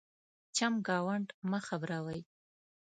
چمګاونډ مه خبرَوئ.